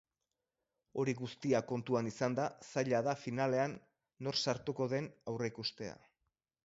Hori guztia kontuan izanda, zaila da finalean nor sartuko den aurreikustea.